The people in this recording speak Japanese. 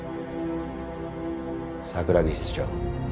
桜木室長。